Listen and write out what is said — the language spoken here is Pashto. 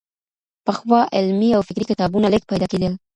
پخوا علمي او فکري کتابونه لږ پيدا کېدل.